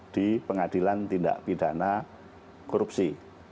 di pengadilan tindak pidana korupsi